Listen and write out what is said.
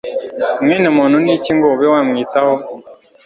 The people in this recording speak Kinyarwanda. Mwene muntu ni iki ngo ube wamwitaho